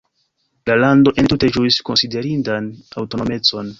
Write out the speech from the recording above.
La lando entute ĝuis konsiderindan aŭtonomecon.